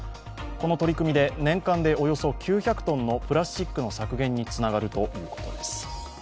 この取り組みで年間でおよそ９００ｔのプラスチックの削減につながるということです。